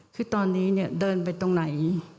คือตอนนี้เนี่ยเดินไปตรงไหน